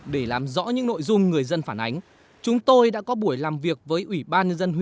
để làm rõ những nội dung người dân phản ánh chúng tôi đã có buổi làm việc với ủy ban dân huyện yên thủy